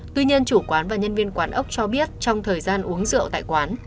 tuy nhiên chủ quán và nhân viên quán ốc cho biết trong thời gian uống rượu tại quán